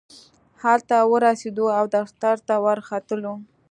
هلته ورسېدو او دفتر ته ورختلو.